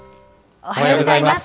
おはようございます。